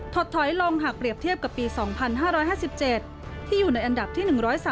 ดถอยลงหากเปรียบเทียบกับปี๒๕๕๗ที่อยู่ในอันดับที่๑๓